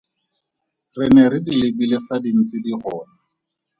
Re ne re di lebile fa di ntse di gola.